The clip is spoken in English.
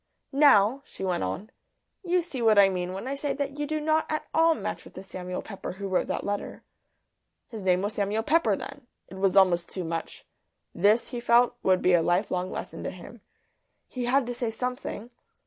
"Now," she went on, "you see what I mean when I say that you do not at all match with the Samuel Pepper who wrote that letter." His name was Samuel Pepper then! It was almost too much. This, he felt, would be a lifelong lesson to him. He had to say something.